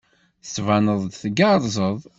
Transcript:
Tettbaneḍ-d tgerrzeḍ.